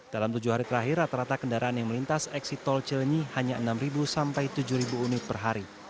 dalam tujuh hari terakhir rata rata kendaraan yang melintas eksit tol cilenyi hanya enam sampai tujuh unit per hari